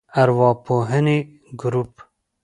ارواپوهنې ګروپ